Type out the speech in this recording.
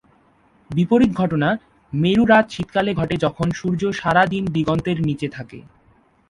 বিপরীত ঘটনা, মেরু রাত শীতকালে ঘটে যখন সূর্য সারা দিন দিগন্তের নীচে থাকে।